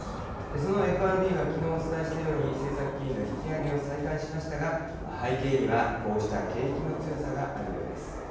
そのＦＲＢはきのうお伝えしたように政策金利の引き上げを再開しましたが、背景にはこうした景気の強さがあるようです。